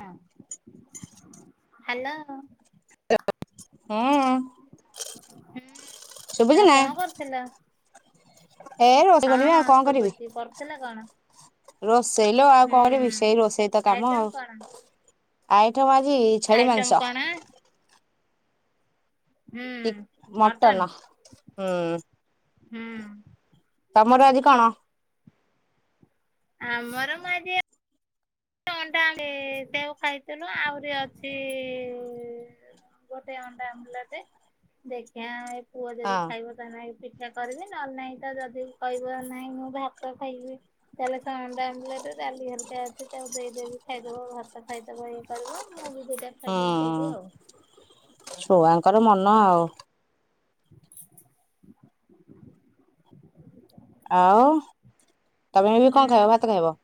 ହଁ। ହାଲୋ। ହୁଁ ହୁଁ ଶୁଭୁଛି ଆଉ ନା କଣ ଏ କରୁଥିଲ? ରୋଷେଇ ହଁ କରିବି ଆଉ ହଁ ଆ କଣ କରିବି ଶୁଭୁଚି କରିଥିଲ କଣ? ରୋଷେଇ ଲୋ ଆଉ ହୁଁ କରିବି ସେଇ ରୋଷେଇ ତ କାମ ଆଇଟମ ଆଉ। କଣ? ଆଇଟମ୍ ଆଜି ଛେଳି ଆଇଟମ୍ ମାଂସ କ'ଣ? ହୁଁ, ମଟନ୍ ମଟନ ହୁଁ ହୁଁ। ତମର ଆଜି କ'ଣ? ଆମର ମୁଁ ଆଜି ଅଣ୍ଟା ଆମ୍ଲେଟେକୁ ଖାଇଥିଲୁ ଆହୁରି ଅଛି। ଗୋଟେ ଅଣ୍ଡା ଆମ୍ଲେଟେ ଦେଖିବା ଏ ପୁଅ ଯଦି ହଁ ଖାଇବ। ତା ଲାଗି ପିଠା କରିବି ନଲେ ନାହିଁ ତ ଯଦି କହିବ ନାହିଁ ମୁଁ ଭାତ ଖାଇବି। ତାହେଲେ ସେ ଅଣ୍ଡା ଆମ୍ଲେଟ୍ ଡାଲି ହେରିକା ଅଛି। ତାକୁ ଦେଇଦେବି ଖାଇଦବ ଭାତ ଖାଇଦବ ଇଏ କରିବ ମୁଁ ବି ଦିଟା ଖାଇଦେବି ହୁଁ ସେଇଠି ଆଉ। ଛୁଆଙ୍କର ମନ ଆଉ। ଆଉ ତମେ ଏବେ କ'ଣ ହୁଁ ଖାଇବ ଭାତ ଖାଇବ?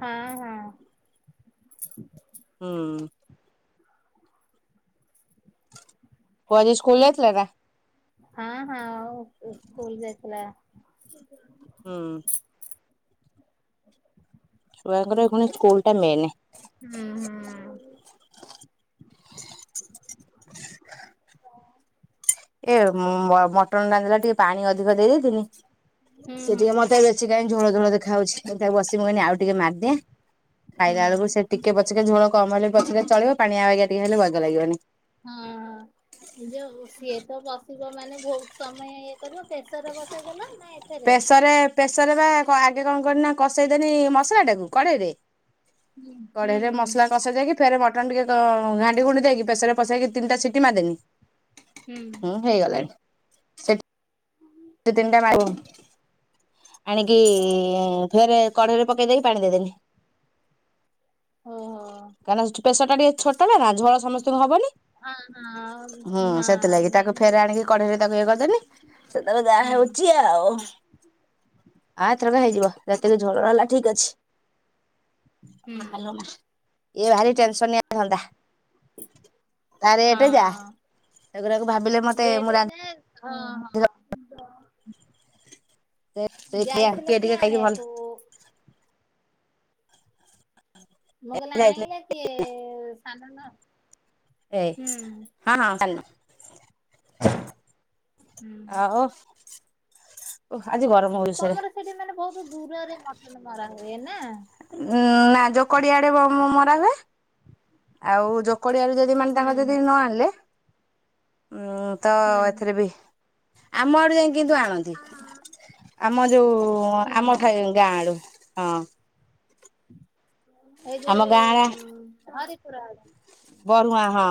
ହଁ, ହଁ। ହୁଁ। ପୁଅ ଆଜି ସ୍କୁଲ୍ ଯାଇଥିଲା ନା? ହଁ, ହଁ, ଆଉ ସ୍କୁଲ ଯାଇଥିଲା। ହୁଁ। ଛୁଆଙ୍କର କ'ଣ ସ୍କୁଲ ଟା ମେନ୍। ହୁଁ, ହୁଁ। [inaudible] ଏ ମ ମଟନ ରାନ୍ଧୀଲା ବେଳେ ଟିକେ ପାଣି ଅଧିକ ଦେଇଦେଇନି ହୁଁ ସେ ହୁଁ ଟିକେ ମତେ ଏବେ ସେ କାଇଁ ଝୋଳ ଝୋଳ ଦେଖା ଯାଉଛି ତାକୁ ବସିଛି ମୁଁ ଏଇନେ ଆଉ ଟିକେ ମାରିଦିଏ। ହୁଁ ଖାଇଲା ବେଳକୁ ସେ ଟିକେ ପଛିକା ଝୋଳ କମ୍ ହେଲେ ପଛକେ ଚଳିବ ପାଣିଆ ବାଗିଆ ଟିକେ ହେଲେ ବାଗ ଲାଗିବନି। ହଁ, ଯୋଉ ସିଏ ତ ବସିବ ମାନେ ବହୁତ ସମୟ ଏ କରିବ ପ୍ରେସରରେ ବସେଇଦେଲ ନା ଏଥିରେ? ପ୍ରେସରରେ ପ୍ରେସରରେ ବା କ ଆଗେ କଣ କଲି ନା କଷେଇଦେନି ମସଲା ଟାକୁ କଡ଼େଇରେ। ହୁଁ ହୁଁ କଢ଼େଇରେ ହୁଁ ମସଲା କଷା ଯାଇକି ଫେରେ ମଟନ୍ ଟିକେ ଘାଣ୍ଡି ଘୁଣ୍ଡି ଦେଇକି ପ୍ରେସରରେ ପସେଇକି ତିନିଟା ସିଟି ମାରି ଦେନି। ହୁଁ। ହୁଁ, ହେଇଗଲାଣି। ଦୁଇ ତିନଟା ମାରିକି ଆଣିକି ଫେରେ କଢେଇରେ ପକେଇ ଦେଇକି ପାଣି ଦେଇଦେଲିି। ଓହୋଃ। କାହିଁକନା ପ୍ରେସର ଟା ଟିକେ ଛୋଟ ନା ନା ଝୋଳ ସମସ୍ତଙ୍କୁ ହବନି। ହଁ ହଁ ହୁଁ, ହଁ ସେଥିଲାଗି ମେନ୍ ତାକୁ ହେଲା ଫେର ଆଣିକି କଢେଇରେ ତାକୁ ଇଏ କରିଦନି ସେତେବେଳେ ଯାହା ହୁଁ ହଉଛି ଆ ଆଉ ଆ ଏଥରକା ହେଇଯିବ ଯେତିକି ଝୋଳ ହେଲା ଠିକ୍ ଅଛି। ହୁଁ ହାଲୋ! ଏଇ ଭାରି ଟେନସନିଆ ହେଇଥାନ୍ତା। ତା ରେଟ ଯା ହଁ। ସେଗୁଡ଼ାକୁ ଭାବିଲେ ମତେ ରେଟ ମୁଁ ରା ଯେ ହଁ, ହଁ। ଯାଇଥିଲେ କିଏ କି ଟିକେ ଖାଇକି ଭଲ ଆଣିବାକୁ? ମୁଁ କହିଲି ନା ଯାଇଥିଲେ ଆଇଁଲେକି ସାନ ନ ଏ ହଁ, ହଁ, ହୁଁ। [inaudible] ଆଉ ଓଃ ଆଜି ଗର ତମର ସେଠି ମାନେ ବହୁତ ଦୂରରେ ମଟନ ମରା ହୁଏ ନା? ଉଁ ନା ଜୋକୋଡି ଆଡେ ମରା ହୁଏ ଆଉ ଜୋକୋଡି ଆଡେ ଯ ଦି ମାନେ ହୁଁ ତାଙ୍କର ଯଦି ନ ଆଣିଲେ ଉଁ ତ ହୁଁ ଏଥିରେ ବି ଆମ ଆଡେ ଯାଇଁ କିନ୍ତୁ ଆଣନ୍ତି। ଆମ ଯୋଉ ହୁଁ। ଆମ ଠାଏ ଗାଁ ଆଡୁ, ହଁ। ଏଇ ଆମ ଯୋଉ ହାରିପୁର ଆଡୁ? ବରୁହାଁ ହଁ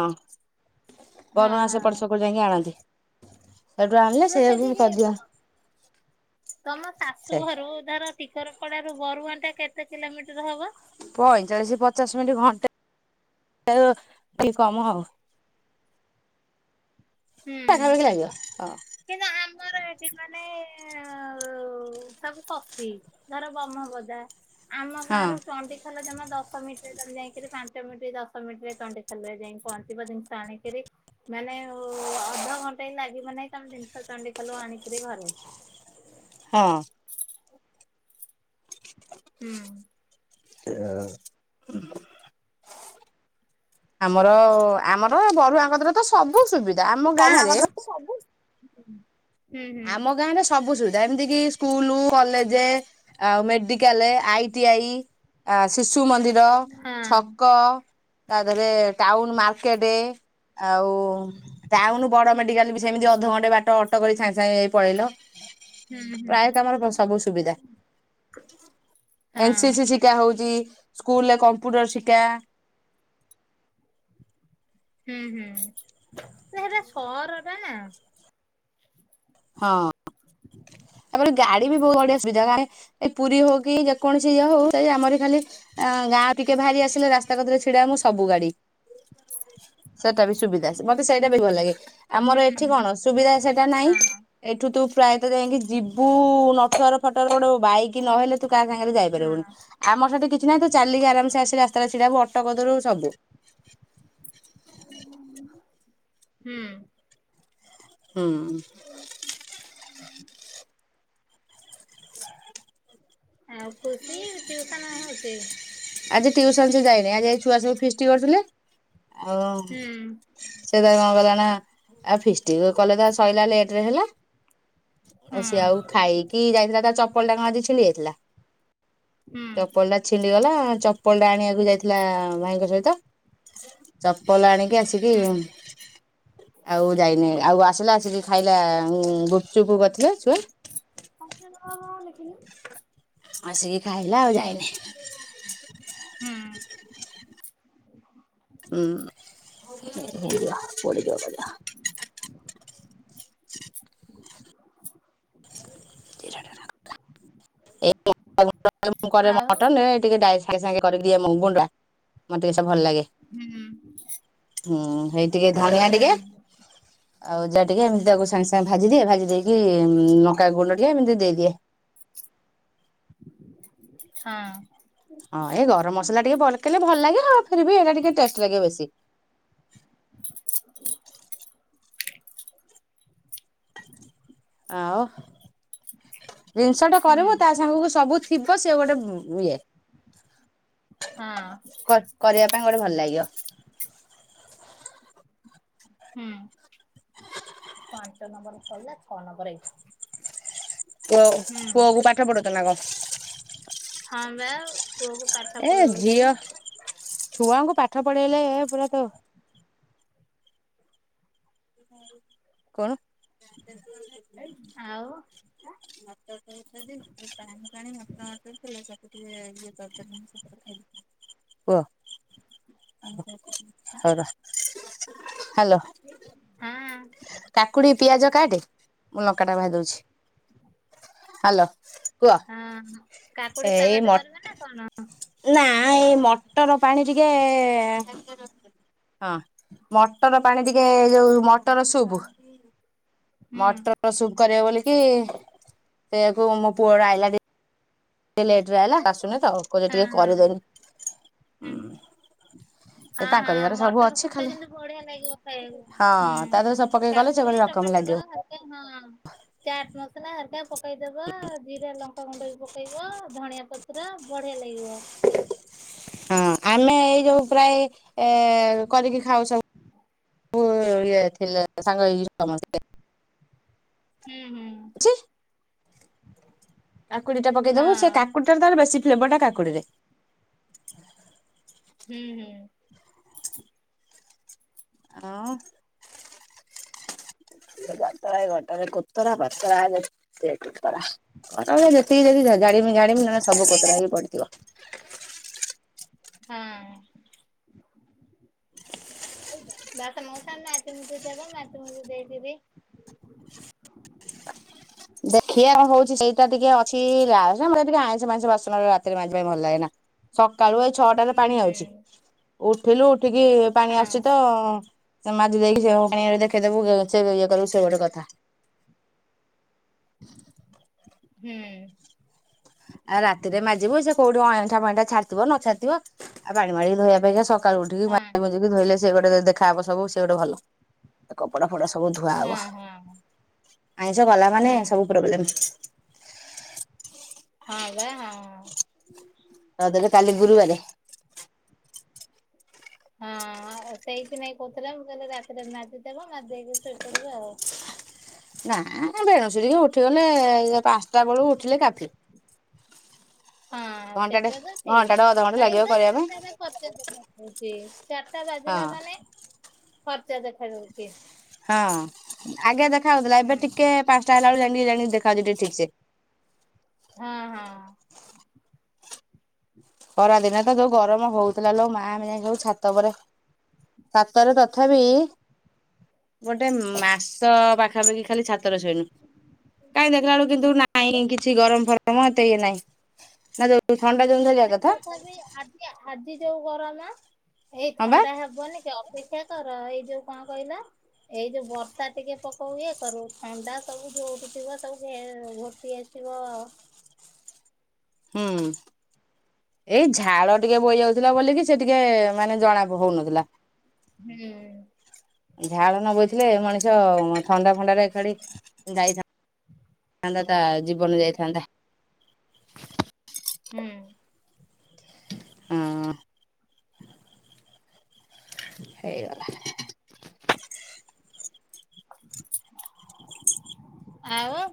ହଁ ବରୁହାଁ ହଁ। ସେପଟୁ [inaudible] ଯାଇକି ଆଣନ୍ତି। ସେଠୁ ଆଣିଲେ ରୁହ ସେଇଆକୁ ସେଠିକି କରିଦିଅ ତ ତମ ସେ ଶାଶୁ ଘରୁ ଧର ଶିକରପଡା ର ବରୁଆ ଟା କେତେ କିଲୋମିଟର ହବ। ପଇଁଚାଳିଶ ପଚାଶ ମିନିଟ ଘଣ୍ଟେ ଟିକ କମ ଆଉ। ହୁଁ। ପାଖାପାଖି ଲାଗିବ ହଁ। କିନ୍ତୁ ଆମର ଏଠି ମାନେ ସବୁ କଫି ଧର ବ୍ରହ୍ମବଦା ଆମ ଗାଁ ରୁ ଚଣ୍ଡୀ ତମେ ଜମା ଦଶ ମିନିଟିରେ ଯାଇକ ପାଞ୍ଚ ମିନଟ ଦଶ ମିନଟର ଚଣ୍ଡିଖୋଲ ରେ ଯାଇି ପହଞ୍ଚିବ ଜିନିଷ ଆଣିକିରି ମାନେ ଅଧଘଣ୍ଟା ହଁ ଲାଗିବ ନାହିଁ ତମେ ଜିନିଷ ଚଣ୍ଡିଖୋଲୁ ଆଣିକରି ଘରେ। ହଁ ହୁଁ ହ [unintelligible] ଆମର ଆମର ବରୁଆଙ୍କତିରେ ତ ସବୁ ସୁବିଧା ଆମ ଗାଁରେ ସବୁ ଆମ ଗାଁରେ ସବୁ ସୁବିଧା ଏମିତି କିି ସ୍କୁଲ କଲେଜ ଆଉ ମେଡିକାଲ ଆଇ ତିଆଇ ଶିଶୁ ମନ୍ଦିର ହଁ ଛକ ତା ଦେହରେ ଟାଉନ ମାର୍କେଟ ଆଉ ଟାଉନୁ ବଡ ମେଡିକାଲ ବି ସେମିତି ଅଧଘଣ୍ଟେ ବାଟ ଅଟକରିକି ସାଙ୍ଗେ ସାଙ୍ଗେ ଇ ପଳେଇଲ। ହୁଁ ହୁଁ ପ୍ରାୟ ତମର ସବୁ ସୁବିଧା ଏନସି ସି ହଁ ଶ ଶିଖା ହଉଚଛି ସ୍କୁଲ ରେ କମ୍ପ୍ୟୁଟର ଶିକ୍ଷା ହୁଁ ହୁଁ ସେ ସେଇଟା ସହର ଟା ନା ହଁ [inaudible] ତାପରେ ଗାଡି ବି ବହୁତ ବଢିଆ ସୁବିଧା କାଇଁ କି ପୁରୀ ହଉ କି ଯେକୌଣସି ଇଏ ହଉ ଚାଇ ଆମରି ଖାଲି ଅ ଗାଁ ଟିକେ ଭାରି ଆସିଲେ ରାସ୍ତା କତିରେ ଛିଡା ହବୁ ସବୁ ଗାଡି। ସେଟା ବି ସୁବିଧା ମତେ ସେଇଟା ବି ଭଲ ଲାଗେ। ଆମର ହୁଁ ଏଠି ହୁଁ କଣ ସୁବିଧା ସେଟା ନାଇଁ ହଁ ଏଠୁ ତୁ ପ୍ରାୟତଃ ଯାଇକି ଯିବୁ ନଥୁଆର ଫଟୋର ଗୋଡେ ବାଇକ ନହେଲେ ତୁ କାହା ସାଙ୍ଗରେ ଯାଇପାରିବୁନି। ହଁ ଆମର ସେଠି କିଛି ନାହିଁ ତୁ ଚାଲିକି ଆରାମସେ ଆସିି ରାସ୍ତାରେ ଛିଡା ହବୁ ଅଟୋଦରୁୁ ସବୁ। ହୁଁ ହୁଁ ଆ [unintelligible] ଆଉ ଖୁସି ଟିଉସନ ହଉଛି। ଆଜି ଟିଉସନ ସେ ଯାଇନି ଆଜି ଏ ଛୁଆ ସବୁ ଫିଷ୍ଟି କରୁଥିଲେ, ଆଉ ହୁଁ ସେ ତା କଣ କଲା ନା ଆ ଫିଷ୍ଟିକ କଲେ ତା ସଇଲା ଲେଟରେ ହେଲା। ଆଉ ହୁଁ। ସିଏ ଆଉ ଖାଇକି ଯାଇଥିଲା ତା ଚପଲ ଟା କଣ ଆଜି ଛିଣ୍ଡି ଯାଇଥିଲା। ହୁଁ ଚପଲ ଟା ଛିଣ୍ଡି ଗଲା ଚପଲ ଟା ଆଣିବାକୁ ଯାଇଥିଲା। ଭାଇଙ୍କ ସହିତ ଚପଲ ଆଣିକି ଆସିକି ହୁଁ। ହମ ଆଉ ଯାଇନି ଆଉ ଆସିଲା ଆସିକି ଖାଇଲା ଗୁପଚୁପୁ କରିଥିଲେ ସେ ଆ ହ ହଁ ଲେଖିଲି [unintelligible] ଆସିକି ଖାଇଲା ଆଉ ଯାଇନି। ହୁଁ ହୁଁ ହେଆ ବ [unintelligible] ମଟନ ଆଉ [unintelligible] ଟିକୋ [unintelligible] ସାଙ୍ଗେ ସାଙ୍ଗେ କରିିକି ମଗୁଣ୍ଡ ଟା ମତେ ଟିକେ ସେ ଭଲ ଲାଗେ ହୁଁ ହୁଁ ହେଇ ଟିକେ ଧଣିଆ ଟିକେ। ହୁଁ ଆଉ ଯାହା ଟିକେ ଏମିତି ତାକୁ ସାଙ୍ଗେ ସାଙ୍ଗେ ଭାଜିଦିଏ ଭାଜି ଦେଇକି ଲଙ୍କା ଗୁଣ୍ଡ ଟିକେ ଏମିତି ଦେଇଦିଏ। ହଁ ହଁ ଏଇ ଗରମ ମସଲା ଟିକେ ପକେଇଲେ ଭଲ ଲାଗେ ଆଉ ଫିର ଭି ଏଇଟା ଟିକେ ଟେଷ୍ଟ ଲାଗେ ବେଶୀ। ଆଉ ଜିନିଷ ଟା ହୁଁ କରିବୁ ତା ସାଙ୍ଗକୁ ସବୁ ଥିବ ସେ ଗୋଟେ ଇଏ ହଁ କରି ତାଙ୍କୁ ଗୋଟେ ଭଲ ଲାଗିବ। ହୁଁ ପାଞ୍ଚ ନମ୍ବର ଶରିଲା ଛଅ ନମ୍ବର ଏଇ। ପୁଅ ପୁଅକୁ ପାଠ ପଢଉଛନା କଁ? ହଁ ବା ପୁଅକୁ ପାଠ ଏ ପଢଉଛି। ଝିଅ ଛୁଆଙ୍କୁ ପାଠ ପଢେଇଲେ ଏ ପୁରାତ କଣ। ଆଉ। [unintelligible] କୁହ ହଉର ହ୍ୟାଲୋ ହଁ କାକୁଡି ପିଆଜ କାଟେ ମୁଁ ଲଙ୍କା ଟା ଭାଜି ଦଉଛି, ହାଲୋ। କୁହ ହଁ କାକୁଡି ଏଇ ସାଲାଟ ମ କରିବେ ନା କଣ? ନା ଏଇ ମଟର ପାଣି ଟିକେ ହଁ ମଟର ପାଣି ଟିକେ ଯୋଉ ମଟର ସୁପ୍। ହୁଁ ମଟର ସୁପ କରିବ ବୋଲିକି ସେୟାକୁ ମୋ ପୁଅ ର ଆଇଲା ଟିକେ ଲେଟରେ ହଁ ଆଇଲା ହଁ ଆସୁନି ତ କହୁଚି ଟିକେ କରିଦେନି। ହୁଁ। ହଁ ତାଙ୍କରି ହଁ ଘରେ ସବୁ ମଟର ଅଛି ସୁପ ଟା ଖାଲି ଜେମିତି ବଢିଆ ଲାଗିବ ଖାଇବାକୁ ହଁ ହୁଁ ତା ଦେହରେ ସବୁ ପକେଇ କଲେ ସେ କାକୁଡି ଗୋଟେ ରକମ ଟମାଟର। ଲାଗିବ। ହଁ ଚାଟ ମସଲା ହରିକା ପକେଇଦବ ଜିରା ଲଙ୍କାଗୁଣ୍ଡ ବି ପକେଇବ। ଧଣିଆ ପତ୍ର ବଢିଆ ଲାଗିବ। ହଁ ଆମେ ଏଇ ଯୋଉ ପ୍ରାୟ ଏ କରିକି ଖାଉ ସବୁ ଇଏ ଥିଲେ ସାଙ୍ଗ ହେଇକି ସମସ୍ତେ। ହୁଁ ହୁଁ। ଅଛି। କାକୁଡି ଟା ହଁ ପକେଇଦବୁ ସେ କାକୁଡିଟ ତାର ବେଶୀ ଫ୍ଲେବରଟା କାକୁଡିରେ। ହୁଁ ହୁଁ। ଆଉ। ସେ ଘଟରା ଘଟରେ କୋତରା ବାତରା ହେଲେ ଏତେ ଖୋତରା। ଯେତିକି ଯଦି ଜାଣିବୁ ଜାଣିବୁ ସବୁ କୋତରା ହେଇ ପଡିଥିବ। ହଁ। [unintelligible] ଦେଖିଆ କଣ ହଉଛି ସେଇଟା ଟିକେ ଅଛି ରାସ ଟିକେ ଆଇଁଷ ମାଇଁଷ ବାସନ ରାତିରେ ମାଜିବା ପାଇଁ ଭଲ ଲାଗେନା। ସକାଳୁ ଏଇ ଛଅଟାରେ ହୁଁ ପାଣି ହୁଁ ଆଉଛି ଉଠିଲୁ ଉଠିକି ପାଣି ହଁ ଆସୁଛି ତ ସେ ମାଜି ଦେଇକି ହ ଦେଖେଇ ଦେବୁ ସେ ଇଏ କରିବୁ ସେ ଗୋଟେ କଥା। ହୁଁ। ଆଉ ରାତିରେ ମାଜିବୁ ସେ କଉଠି ଅଇଁଠା ଫଇଁଠା ଛାଡିଥିବ ନ ଛାଡିଥିବ। ଆଉ ପାଣି ମାଡ଼ିକି ଧୋଇବା ଅପେକ୍ଷା ସକାଳୁ ଉଠିକି ହଁ ମାଜି ମୁଜିକି ଧୋଇଲେ ସେ ଗୋଟେ ଦେଖା ହବ ସବୁ ସେ ଗୋଟେ ଭଲ। କପଡା ଫପଡା ସବୁ ଧୁଆ ହଁ ହବ ହଁ ଆଇଁଷ କଲା ହୁଁ ମାନେ ସବୁ ପ୍ରୋବ୍ଲେମ। ହଁ ବା ହଁ। ଆଉ ତାହଲେ କାଲି ଗୁରୁବାରେ? ହଁ ସେଇଥି ନାଗି କହୁଥିଲା ମୁଁ କହଲି ରାତିରେ ମାଜିଦବ ମାଜି ଦେଇକି ଶୋଇପଡିବ ଆଉ। ନା ବେଣୁସୁ ଟିକେ ଉଠିଗଲେ ସେ ପାଞ୍ଚଟା ବେଳୁ ଉଠିଲେ କାଫି। ହଁ ଘଣ୍ଟାଟେ ସେଟା ତ ଠିକ। ଘଣ୍ଟାଟେ ଅଧଘଣ୍ଟା ଲାଗିବ କରିବା ପାଇଁ ହଁ। [unintelligible] ଫର୍ଚ୍ଚା ଦେଖାଉଛି ଚାରିଟା ବାଜିଲା ମାନେ ଫର୍ଚ୍ଚା ଦେଖା ଯାଉଛି। ହଁ ଆଗେ ଦେଖା ହଉଥିଲା ଏବେ ହୁଁ ଟିକେ ପାଞ୍ଚଟା ହେଲା ବେଳକୁ ଜାଣିକି ଦେଖାାଉଉଛି ଟିକେ ଠିକ ସେ। ହଁ ହଁ। ଖରାଦିନେ ତ ଯୋଉ ଗରମ ହଉଥିଲା ଲୋ ମାଆ ଆମେ ଯାଇଁକି ସବୁ ଛାତ ଉପରେ ଛାତରେ ତଥାପି ଗୋଟେ ମାସ ପାଖାପାଖି ଖାଲି ଛାତରେ ସୋଇନୁ କାଇଁ ଦେଖିଲା ବେଳକୁ ତମେ କିନ୍ତୁ କିଛି ଗରମ ଫରମ। ମ ଏତେ ଇଏ ନାଇଁ ନା ଯଉ ଥଣ୍ଡା ଧରିବା ନାଇ କଥା ତଥାପି ଆଜି ଆଜି ଯୋଉ ଗରମ ଏଇ ହଁ ବା ଥଣ୍ଡା ହବନି। ଅପେକ୍ଷା କର ଏଇ ଯୋଉ କଣ କହିଲ ଏଇ ଯୋଉ ବର୍ଷା ଟିକେ ପକଉ ଇଏ କରୁ ଥଣ୍ଡା ସବୁ ଯୋଉଠୁ ଥିବ ସବୁ ଇଏ ଏ ପୁଅ ହୁଁ। ଏଇ ଝାଳ ଟିକେ ବୋଇ ଯାଉଥିଲା ବୋଲିକି ସେ ଟିକେ ମାନେ ଜଣା ପ ହଉନଥିଲା। ହୁଁ। ଝାଳ ନ ବୋଇଥିଲେ ମଣିଷ ଥଣ୍ଡା ଫଣ୍ଡାରେ ଏଖାଡି ଯାଇଥା [unintelligible] ତା ଜୀବନ ଯାଇଥାନ୍ତା। ହୁଁ। ହଁ। ହେଇଗଲା। ଆଉ